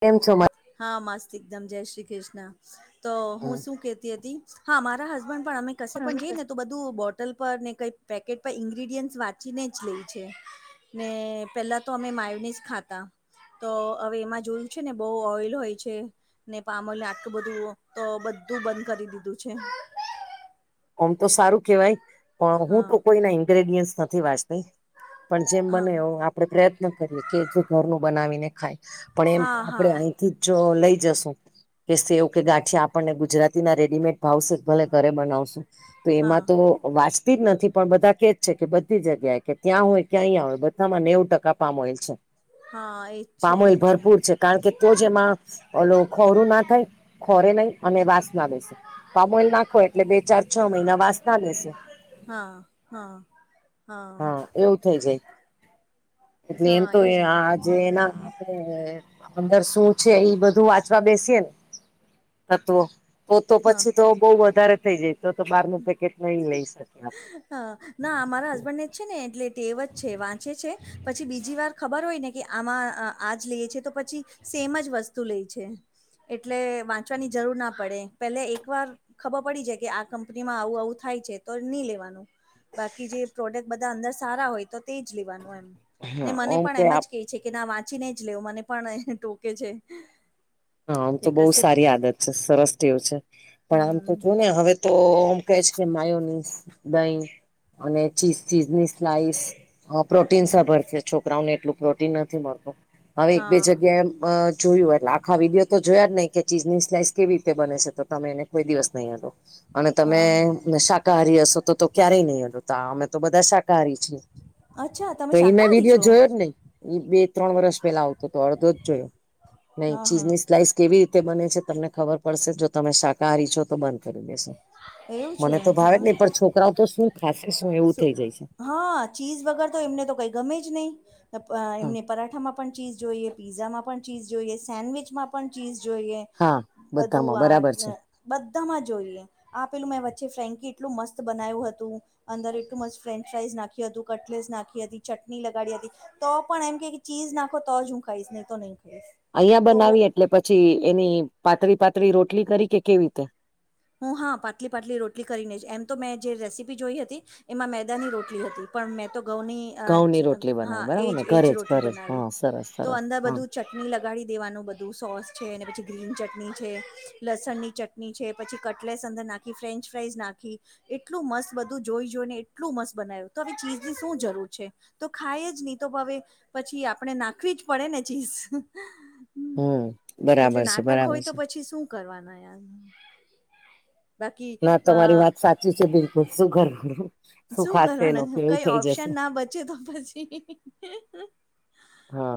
કેમ છો? મજામાં. હા હા, મસ્ત એકદમ. જય શ્રી ક્રિષ્ના. તો હું શું કેહેતી હતી? હાં મારાં હસબેન્ડ પણ અમે કશે પણ જઈએ ને તો બ તું બોટલ પર ને કઈ પેકેટ પર ઈન્ગ્રીડિયંન્ટ વાંચીને જ લેય છે. ને પેલા તો અમે માયોનીસ ખાતા તો અવે એમાં જોયું છે, ને બો ઓઈલ હોય છે. ને પામલે આટલું બધું તો બધું બંધ કરી દીધું છે. ઓમ તો સારું કહેવાય પણ હું હા તો કોઈના ઇન્ગ્રેડિયન્ટસ નથી વાંચ પણ જેમ હા બને એવ આપડે પ્રયત્ન કરીએ કે જે ઘરનું બનાવીને ખાય પણ એમ હા તો હા આપડે અહીંથી જો લઈ જશું કે સેવ કે ગાંઠિયા પને અને ગુજરાતીના રેડીમેડ ભાવશે ભલે ઘરે બનાવશું તો હા એમાં તો વા તી જ નથી પણ બધા કે જ છે, કે બધી જગ્યાએ કે ત્યાં હોય કે અહીં હોય બધામાં નેવું ટકા પામ ઓઈલ છે. હા. એજ છે પામોય એજ ભરપૂર છે, કારણ કે તો જેમાં ઓલ ખોરું ના થાય ખોરે નહી અને વાસના બેસે પામોઈલ નાખો એટલે બે ચાર છ મહિના વાસના બેસે હ હ. હા એવું થઈ જાય એટલે એમ હા તો એજ ને [unintelligible] જે એના આપણે અંદર શું છે, એ બધું વાંચવા બેસીય ને તત્વો તો તો હા પછી તો બો વધારે થઈ જાય તો તો બાર ન પેકેટ નહી લઈ શકીએ આપણે હ ના અમારા હસબન્ડ જ છે, ને એટલે તે ટેવ જ છે, વાંચે છે. પછી બીજી વાર ખબર હોય ને કે આમાં આજ લઈએ છે, તો પછી સેમ જ વસ્તુ લેય છે. એટલે વાંચવાની જરૂર ના પડે પેલે એક વાર ખબર પડી જાય કે આ કંપનીમાં આવું આવું થાય છે, તો ની લેવાનું બાકી જે પ્રોડક્ બધા અંદર સારા હોય તો તે જ લેવાનું એમ ને આપણે મને ઓમ પણ કે એમ આપ જ કેય છે. કે ના વાંચીને જ લેવ મને પણ એને ટોકે છે. હ આમ તો એ બોવ કશે સારી આદત છે, સરસ ટેવ છે, પણ આમ તો હમ જોયું ને હવે તો હું કહીશ કે માયો નીસ, દહી અને ચીઝ ચીઝ ની સ્લાઈસ અ પ્રોટીન સભર છે, છોકરાઓને એટલું પ્રોટીન નથી મળતું હવે એક બે હા જગ્યાએ અ જોયું એટલે આખા વિડીયો તો જોયા જ નહી કે ચીજની સ્લાઇસ કેવી રીતે બને છે, તો તમે એને કોઈ દિવસ નહી અડો અને હા તમે શાકાહારી હશો તો તો ક્યારેય નહી અલોતો અમે તો બધા શાકાહારી છીએ. અચ્છા ત તો એ મેં વિડીયો જોયો જ નહી એ બે ત્રણ વર્ષ પેલા આવતોતો અડધો જ જોયો હા હા ચીજની સ્લાઈસ કેવી રીતે બને છે, તમને ખબર પડશે જો તમે શાકાહારી છો તો બંધ કરી દેેશો એવું છે મને તો ભાવે જ હા નય પણ છોકરાઓ તો શું ખાસે શું એવું થઇ જાય છે. હા ચીઝ વગર તો એમને તો કઈ ગમે જ નહીં હા એમને પરાઠામાં પણ ચીઝ જોઈએ પીઝામાં પણ ચીઝ જોઈએ સેન્ડવીચમાં પણ ચીઝ જોઈએ હા બધામાં બધું આ બરાબર છે [unintelligible] બધામાં જોઈએ આપેલું મેં વચ્ચે ફ્રેન્કી એટલું મસ્ત બનાય્યું હતું. અંદર એટલું મસ્ત ફ્રેન્ચ ફ્રાઈઝ નાખ્યું હતું કટલેસ નાખી હતી ચટની લગાડી હતી તો પણ એમ કે ચીઝ નાખો તો જ હું ખાઈશ નહી તો નય ખાઈશ અયાં તો બનાવી એટલે પછી એની પાતળી પાતળી રોટલી કરી કે કેવી રીતે હું હા પાટલી પાટલી રોટલી કરીને જ એમ તો મેં જે રેસીપી જોઈ હતી એમાં મેદાની રોટલી હતી પણ મેં તો ઘઉંની અ ઘઉંની જ રોટલી હા બનાવી બરાબર એજ ને એજ ઘરે જ રોટલી ઘરે જ બનાવી હા સરસ તો સરસ અંદર હા બધું ચ ની લગાડી દેવાનું બધું સોસ છે, અને પછી ગ્રીન ચટણી છે, લસણની ચટની છે. પછી કટલેસ અંદર નાખી ફ્રેન્ચ ફ્રાઈઝ નાખી એટલું મસ્ત બધું જોઈ જોઈને એટલું મસ્ત બનાવ્યું તો હવે ચીજની શું જરૂર છે. તો ખાય જ નહી તો હવે પછી આપણે નાખવી જ પડે ને ચીઝ હમ્મ હમ એટલે બરાબર છે નાટક બરાબર હોય તો છે પછી શું કરવાના યાર બાકી ના અ તમારી વાત સાચી છે. બિલકુલ શું કરવાનું શું ખાશે એ કરવાનું લોકો એવું કઈ થઈ ઓપ્શન જશે ના બચે તો પછી હા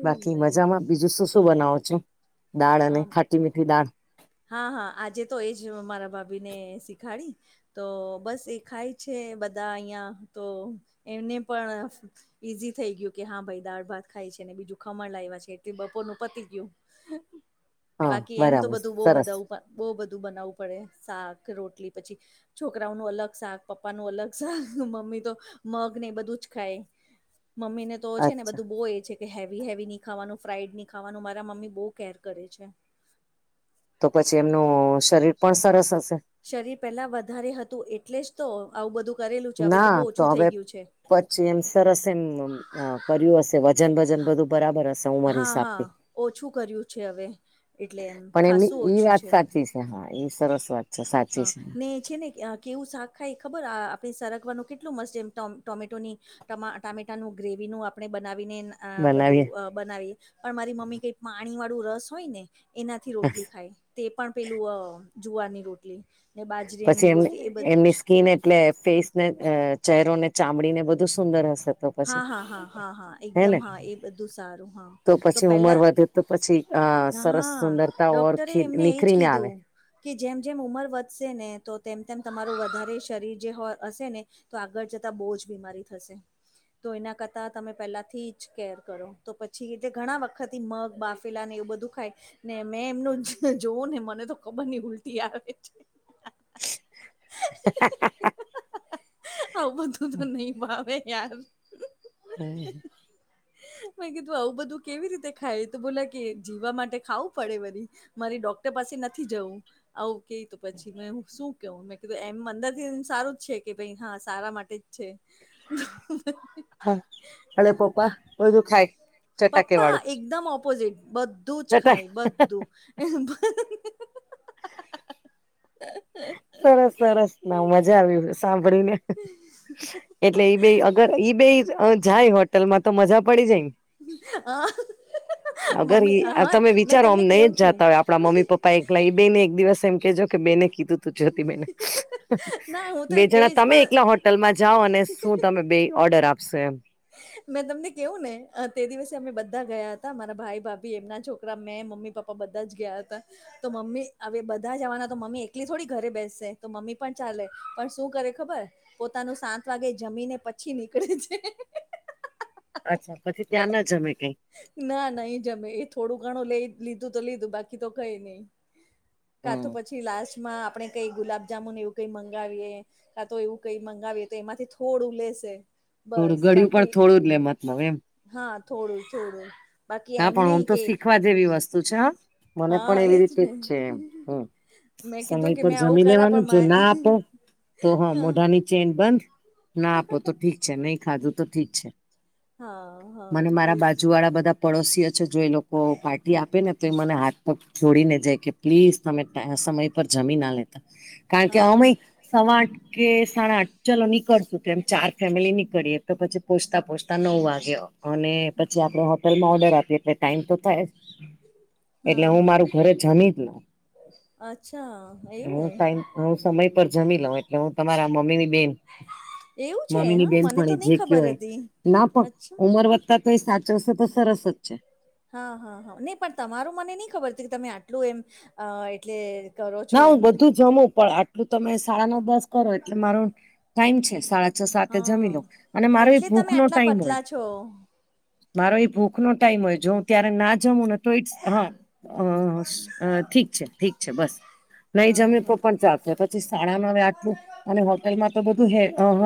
એજ બાકી ને મજામાં બીજું શું શું બનાવો છો દાળ હા અને ખાટી મીઠી દાળ હા હા આજે તો એજ મારા ભાભી ને શીખાડી તો બસ એખાય છે. બધા અહીંયા તો એમને પણ ઈઝી થઈ ગયું કે હા ભાઈ દાળ ભાત ખાય છે ને બીજું ખમણ લાવ્યા છે એટલે બપોરનું પતી ગયું. હા બાકી એમ તો બરાબર બધું બોવ સરસ બધા બોવ બધું બનાવવું પડે શાક રોટલી પછી છોકરાઓનું અલગ શાક પપ્પા નું અલગ શાક મમ્મી તો મગ ને એ બધું જ ખાય. મમ્મી ને તો છે ને અચ્છા બધું બોવ એ છે કે હેવી હેવી ની ખાવાનું ફ્રાઈડ ની ખાવાનું મારા મમ્મી બોવ કેર કરે છે. તો પછી એમનું શરીર પણ સરસ હશે. શરીર પહેલાં વધારે હતું એટલે જ તો આવું બધું કરેલું છે હવે તો ના બહુ ઓછું હવે થઈ ગયું છે. પછી એમ સરસ એમ કર્યું હશે વજન બજન બધું બરાબર હશે. ઉંમર હા હા હિસાબથી ઓછું કર્યું છે હવે એટલે એમ પણ એમની ખાસું ઈ ઓછું વાત છે. સાચી હા એ સરસ વાત છે સાચી હા છે. ને છે ને કેવું શાક ખાય એ ખબર આ આપણે સરગવાનું કેટલું મસ્ત છે એમ ટ ટોમેટોની ટ ટામેટાનું ગ્રેવીનું આપણે બનાવીને આ બધું બનાવીએ બનાવી પણ મારી મમ્મી કઈ પાણી વાળું રસ હોય ને. એનાથી રોટલી ખાય તે પણ પેલું જુવારની રોટલી. ને પછી બાજરીની એમ રોટલી એ બધું જ. એમની સ્કીિન એટલે ફેસને ચહેરોને ચામડીને બધું સુંદર હશે. તો પછી હા હા હા હા હા હે એકદમ ને હા એ બધું સારું હા તો પછી ઉમર પેલા વધે તો પછી અ સરસ હા સુંદરતા ઓર ડોક્ટરે ખી એમને એજ નીખરીને આવે કીધું. કે જેમ જેમ ઉંમર વધશે ને તો તેમ તેમ તમારું વધારે શરીર જે હોય હશે ને. તો આગળ જતા બો જ બીમારી થશે. તો એના કરતા તમે પહેલાથી જ કેર કરો તો પછી જે ઘણા વખત થી મગ બાફ ફેલા ને એવુ બધું ખાય ને મેં એમનું જોવું ને મને તો ખબર નહિ ઉલટી આવે. [inaudible] [inaudible] હ આવું બધું તો નહી ભાવે યાર. હમ્મ મે કીધું આવું બધું કેવી રીતે ખાય તો બોલા કે જીવા માટે ખાવું પડે વરી. મારે ડોક્ટર પાસે નથી જવું આવું કે તો પછી મે શું કેવું મેં કીધું એમ અંદર થી સારું જ છે કે ભાઈ હા સારા માટે જ છે. [inaudible] હા હળે પાપા ઓયું પપ્પા એકદમ ઓપોઝિટ બધું જ ચટા ખાય બધું. [inaudible] સરસ સરસ ના મજા આવ્યું સાંભળીને. એટલે ઈ બે અગર બે જાય હોટલમાં તો મજા પડી જાય. અગર એ મમ્મી અપ હા તમે મેં વિચારો આમ તમને નહી કેવું જ છું જાતા હોય આપડા મમ્મી પપ્પા એક નય બે ને એક દિવસ એમ કેહેજો કે બેને કીધું. ત જોતી બેને ના હું તો બે એ જણા કહીશ તમે પણ એકલા હોત ટલમાં જાઓ અને શું તમે બે ઓર્ડર આપશે એમ. મેં તમને કેવું ને તે દિવસે અમે બધા ગયા હતા મારા ભાઈ ભાભી એમના છોકરા મેં મમ્મી પપ્પ મ બધા જ ગયા હતા. તો મમ્મી હવે બધા જવાના તો મમ્મી એકલી થોડી ઘરે બેસે તો મમ્મી પણ ચાલે પણ શું કરે ખબર પોતાનું સાત વાગે જમીને પછી નીકળે છે. અચ્છા પછી ત્યાં ના જમે કઈ. ના નહી જમે એ થોડું ઘણું લઈ લીધું તો લીધું બાકી તો કઈ નહી. કા તો થોડું પછી લાસ્ટમાં આપણે કઈ ગુલાબ જામુન એવું કઈ મંગાવીએ. કા તો એવું કઈ મંગાવીએ તો એમાંથી થોડું લેશે. થોડું બસ ગડિયું બાકી પણ થોડું જ લે મતલબ એમ. હા થોડું થોડું બાકી હા એમ પણ આમ નહિ તો કે શીખવા જેવી વસ્તુ છે હ. મને પણ હા એવી એજ રીતે જ ને છે એમ મેં કીધું સમય કે પર મેં આવું જમી કરા લેવાનું પણ મે જો ના આપો તો હ હા મોઢાની ચેન બંધ ના આપો તો ઠીક છે નહી ખાધું તો ઠીક છે. હા હા મને મારા એજ બાજુ વાળા બધા પડોશીઓ છે જો એ લોકો પાર્ટી આપે ને તો એ મને હાથ પર છોડીને જાય કે પ્લીઝ તમે સમય પર જમી ના લેતા કારણ કે હા હા અમય સવા આઠ કે સાડા આઠ ચલો નીકળશું તો એમ ચાર ફેમિલી નીકળીએ તો પછી પોચતા પોહચતા નવ વાગે અને પછી આપડે હોટલમાં ઓર્ડર આપીએ એટલે ટાઈમ તો થાય એટલે હા હું મારું હા ઘરે જમી જ લઉં અચ્છા એવું હા હું સમય પર જમી લઉં એટલે હું તમારા મમ્મી ની બેન એવું છે મમ્મીની હા બેન મને તો પણણી નહી જે ખબર કયોય હતી ના પણ અચ્છા ઉમર વધ તોય સાચવસે તો સરસ જ. હા હા હા નહી પણ તમારું મને નહી ખબર હતી કે તમે આટલું એમ એટલે કરો છો ના હું એમ બધું જમું પણ આટલું તમે સાડા નવ દસ કરો એટલે મારો ટાઈમ છે સાડા ચ્છા સાથે જમી હા લો અને મારો એ એટલે ભૂખ તમે નો આટલા ટાઈમ પતલા હોય છો મારો એ ભૂખ નો ટાઈમ હોય જો હું ત્યારે ના જમું ને તો ઇટ્સ હ ઠીક છે ઠીક છે બસ નહી હા જમે તો હા પણ ચાલસે પછી સાડામા [unintelligible] અને હોટેલમાં તો બધું હે અહ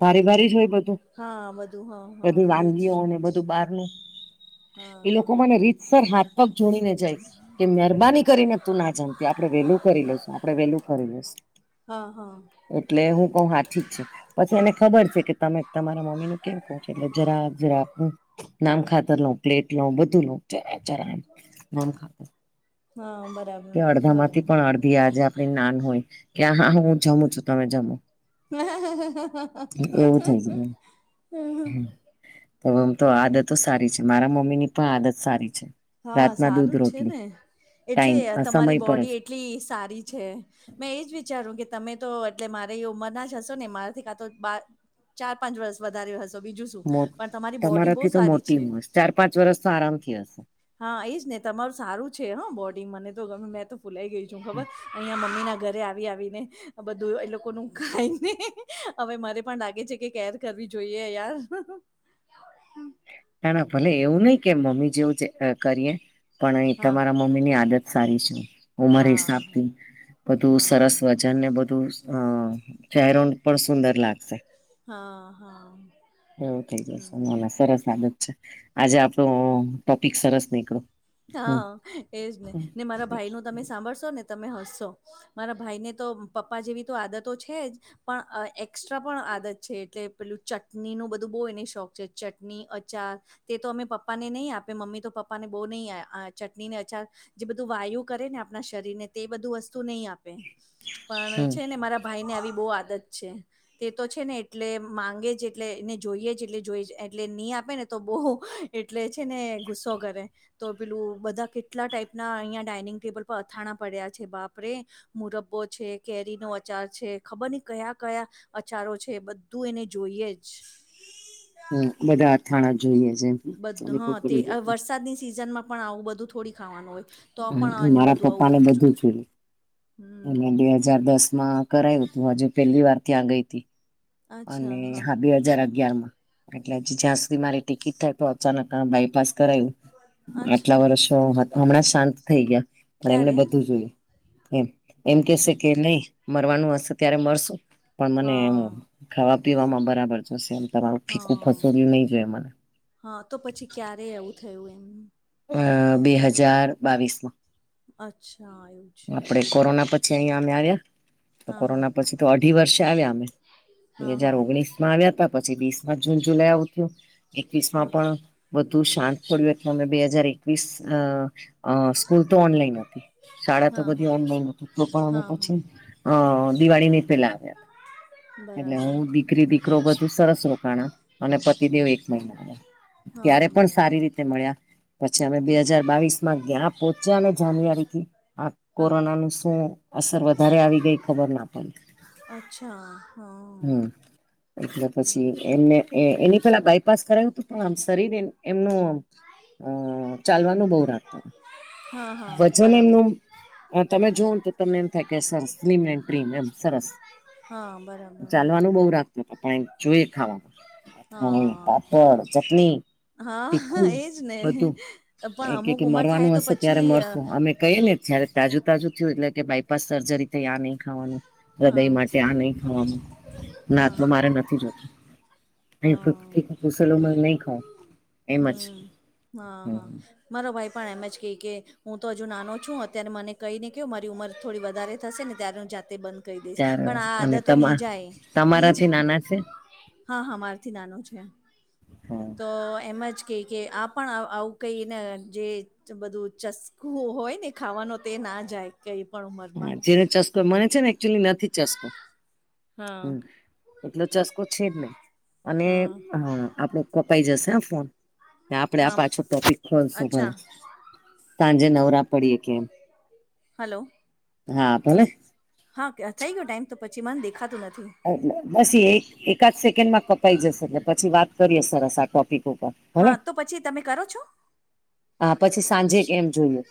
ભારી ભારી જ હોય બધું હા બધું હા બધી હા એજ વાનગીઓને બધું બારનું હા એ લોકો હા મને રીતસર હાથ પગ જોડીને જાય કે મહેરબાની કરીને તું ના જમતી આ વેલું કરી લેશું આપડે વેલું કરી લેશુ હા હા એટલે હું પણ હાચીજ છે. પછી એને ખબર છે કે તમે તમારા મમ્મી નું કેમ કહો છો એટલે જરાક જરાક નામ ખાતર લો પ્લેટ લોઉ બધું લોઉ જરાક જરાક નામ ખાતડ હા બરાબર કે અડધા મા બરાબર પણ અડધી આજે આપણી નાન હોય કે હા હું જમું છું તમે જમો એવું થઈ [unintelligible] હમ્મ તો આદતો સારી છે. મારા મમ્મી ની પણ આદત સારી છે. હા રાતના દૂધ સારું છે રોટલી ને એટલે ટાઈમ તમારી સમય પર જ બોડી એટલ લી સારી છે મેં એજ વિચારું કે તમે તો એટલે મારે ઉંમર ના જ હશો ને મારાથી કા તો બાર ચાર પાંચ વર્ષ વધારે હશે. તો બીજું શું પણ તમારી બોડી બહુ તમારાથી તો સારી મોટી છે. હશ ચાર પાંચ વર્ષ તો આરામ થી હશે. હા એજ ને તમારું સારું છે. હ બોડી મને તો ગમે મેં તો. ફુલાઈ ગઈ છું. ખબર અહીંયા મમ્મી ના ઘરે આવી આવીને. બધું એ લોકો ન ખાયને હવે મરે પણ લાગે છે. કે કેર કરવી જોઈએ યાર. ના ના ભલે એવું નહીં કે મમ્મી જેવું છે. કરીએ પણ હા તમારા મમ્મી ની આદત સારી છે. ઉમર હા હિસાબ હા થી બધું હા સરસ વજન ને બધું અ ચહેરો પણ સુંદર લાગે સે હા હા ઠીક છે. હમ મને સરસ સ્વાગત છે. આજે આપણો ટોપિક સરસ નીકળ્યો. હા એજને ને મારા ભાઈનું તમે સાંભળશો ને તમે હસશો. મારા ભાઈ ને તો પપ્પા જેવી તો આદતો છે. જ. પણ અ એક્સ્ટ્રા પણ આદત છે. એટલે પેલું ચટણીનું બધું બહુ એની શોખ છે. ચટણી, અચાર તે તો અમે પપ્પાને નહીં આપે મમ્મી તો પપ્પાને બોહ નહીં આપે. આ ચટણી ને અચાર જે બધું વાયુ કરે ને આપણા શરીર ને તે બધું વસ્તુ નહી આપે. પણ છે. ને મારા ભાઈ ને આવી બહુ આદત છે. તે તો છે. ને એટલે માંગે છે. એટલે એને જોઈએ જ એટલે જોઈ એટલે નહી આપે ને તો બોહ એટલે છે ને ગુસ્સો કરે. તો પેલું બધા કેટલા ટાઈપના અહીંયા ડાઇનિંગ ટેબલ પર અથાણા પડ્યા છે બાપરે. મુરબ્બો છે, કેરીનો અચાર છે ખબર ની કયા-કયા અચારો છે બધું એને જોઈએ જ. હમ્મ બધા અથાણા જોઈએ જ એમ. બધા હ તે અ વરસાદની સિઝન માં પણ આવું બધું થોડી ખાવાનું હોય. તો પણ આને મારા બધું આવું બધું છે. મે બે હાજાર દસ માં કરાયવું તું આજે પેલી વાર ત્યાં ગઈ તી. અને હા બે હાજાર અગયારમાં. એટલે જ જ્યાં સુધી મારી ટિકિટ થાય તો અચાનક આ બાયપાસ કરાઇવું. આટલા અચ્છા વર્ષો હત હમણાં શાંત થઈ ગયા પણ એમને ક્યારે બધું જોયે. એમ એમ કેશે કે નઇ મરવાનું હશે ત્યારે મરશું પણ મને એમ. હા ખાવા પીવામાં બરાબર જોશે એમ તમારું ફીકું હા ફસોડું નય જોયે મને. હા તો પછી ક્યારે એવું થયું એમને. અ બે હજાર બાવીસમાં. અચ્છા એવુ. આપડે કોરોના પછી અઇયા અમે આવ્યા. હા હા કોરોના પછી તો અઢી વર્ષે આવ્યા અમે બે હા હાજર હા ઓગણીસ મા આવ્યા તા પછી વીસ માં જૂન જુલાઈ આવતું એકવીસ માં હા પણ બધું શાંત પડ્યું એટલે અમે બે હજાર એકવીસ અ અ સ્કૂલ તો ઓનલાઈન હતી. શાળા તો હા હા બધી હા ઓનલાઈન હતી તો પણ હા પછી હા અ દિવાળીની પેલા આવ્યા. હતા. એટલે બરાબર હું દીકરી દીકરો બધું સરસ રોકાણ અને પતિ દેવ એક મહિના. હા ત્યારે પણ બરાબર સારી રીતે તે મળ્યા પછી અમે બે હા હજાર બાવીસ માં ત્યાં પોચ્યા ને જાન્યુઆરીથી. આ હા કોરોના નું શું અસર વધારે આવી ગઈ ખબર ના પડી. અચ્છા હા હમ્મ એટલે પછી બરાબર. એમને એ એની પેલા બાયપાસ કરાયવું તું પણ આમ શરીર એમ એમનું અહ ચાલવાનું બઉ રાખતા. હા હા વજન બરાબર. એમનું અહ તમે જોવ તો તમને એમ થાય કે સરસ સ્લિમ એન્ડ ટ્રિમ એમ સરસ. હા બરાબર ચાલવાનું બઉ રાખતું તુ પણ એમ જોએ ખાવાનું. હ હા પાપડ ચટની હા હા તીખું એજ ને બધું પણ એ કે અમુક કે ઉંમર થાય મરવાનું તો હશે ત્યારે પછી અ મરશું અમે કઇએ ને જ્યારે તાજુ તાજુ થયું એટલે કે બાયપાસ સર્જરી થઈ આની. ખાવાનું રદય હા માટે આ નઇ ખાવાનું ના હા આટલું મારે નથી જોતું. હા એલોપથિક ખુસલોમાં નઇ ખાવાનું એમ જ હમ હા હા હમ્મ. મારો ભાઈ પણ એમ જ કેય કે હું તો હજુ નાનો છું અત્યારે મને કઇને કો મારી ઉંમર થોડી વધારે થશે ને ત્યારે હું જાતે બંધ કરી દઈશ ત્યારે પણ આ અને આદતો ની તમા જાય ની તમારાથી જાય. નાના છે હા, હમારથી નાનો છે. તો હા એમ જ કેય કે આ પણ આવ આવું કઈને જે ચ બધું ચસ્કું હોય ને ખાવાનું તે ના જાય. કઈ પણ ઉમર હા જેને ચસકો મને છે ને એકચુલી નથી ચસકો. હા હમ્મ એટલે ચસ્કો છેજ નહીં અને હા. આપડો કપાઈ જશે હ ફોન. ને આપડે આ હા પાછો ટોપિક ખોલશું ભલે અચ્છા સાંજે નવરા પડીએ કે. હલો. હા ભલે. હા ક્યાં થઈ ગયો ટાઈમ તો પછી મન દેખાતું નથી. હા એટલે બસ એક એકાદ સેકન્ડ માં કપાઈ જશે એટલે પછી વાત કરીએ સરસ આ ટોપિક ઉપર. ભલે હા, તો પછી તમે કરો છો? હા, પછી સાંજે કેમ જોઈએ.